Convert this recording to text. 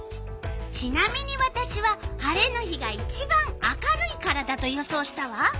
ちなみにわたしは晴れの日がいちばん明るいからだと予想したわ。